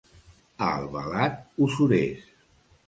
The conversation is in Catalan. A Albalat, usurers.